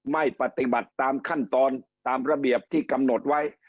ไม่ปฏิบัติตามขั้นตอนตามระเบียบที่กำหนดไว้